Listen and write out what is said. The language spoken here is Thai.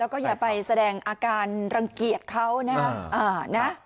แล้วก็อย่าไปแสดงอาการรังเกียจเขานะครับ